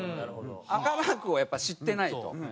赤ＬＡＲＫをやっぱ知ってないと。